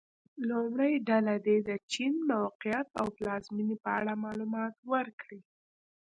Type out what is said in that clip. لومړۍ ډله دې د چین موقعیت او پلازمېنې په اړه معلومات ورکړي.